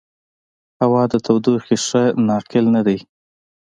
هوا د تودوخې ښه ناقل نه دی.